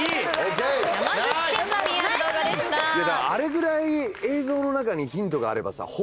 あれぐらい映像の中にヒントがあればさ。